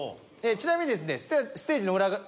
ちなみにですね。